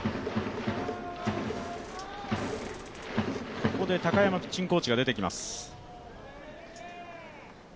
ここで高山ピッチングコーチが出てきます。